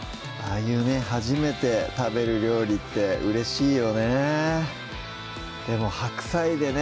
あいうね初めて食べる料理ってうれしいよねでも白菜でね